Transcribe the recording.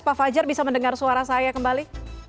pak fajar bisa mendengar suara saya kembali